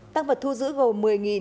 tăng vật thu giữ gầu một mươi đồng